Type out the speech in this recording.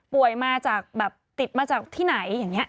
มาจากแบบติดมาจากที่ไหนอย่างนี้